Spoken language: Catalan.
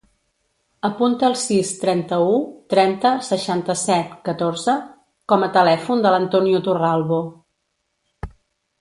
Apunta el sis, trenta-u, trenta, seixanta-set, catorze com a telèfon de l'Antonio Torralbo.